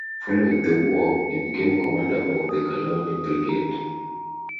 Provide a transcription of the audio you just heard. Following the war, he became commander of the Golani Brigade.